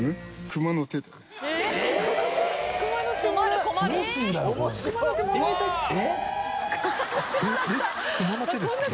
熊の手ですか？